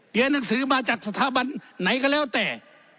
เรียนหนังสือมาจากสถาบันไหนก็แล้วแต่